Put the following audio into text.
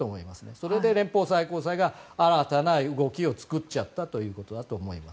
それで連邦最高裁が新たな動きを作っちゃったということだと思います。